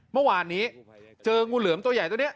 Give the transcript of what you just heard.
เมื่อวานนี้เจองูเหลือมตัวใหญ่ตัวนี้